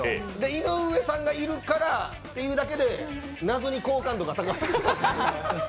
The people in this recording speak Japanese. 井上さんがいるからっていうだけで謎に好感度が高くなってる。